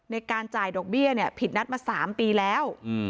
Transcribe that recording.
ในการจ่ายดอกเบี้ยเนี่ยผิดนัดมาสามปีแล้ว